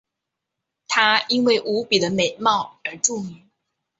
她因为无比的美貌而著名。